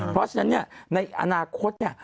เพราะฉะนั้นเนี่ยในอนาคตเนี่ย